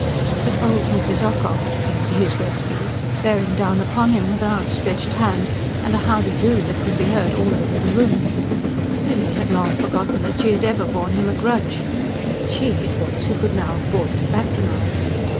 But "old Mrs. Ocock" came to his rescue, bearing down upon him with an outstretched hand, and a howdee do that could be heard all over the room: Tilly had long forgotten that she had ever borne him a grudge; she it was who could now afford to patronise.